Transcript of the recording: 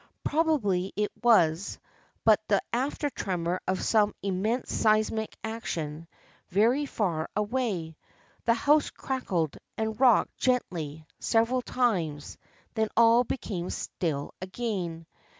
Probably it was but the after tremor of some immense seismic action very far away. The house crackled and rocked gently several times; then all became still again.